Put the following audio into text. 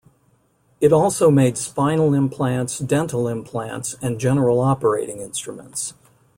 It also made spinal implants, dental implants, and general operating instruments.